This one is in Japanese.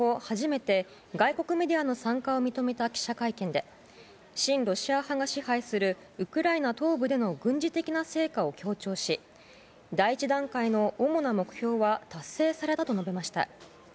初めて外国メディアの参加を認めた記者会見で親ロシア派が支配するウクライナ東部での軍事的な成果を強調し第一段階の主な目標は達成されたと述べました。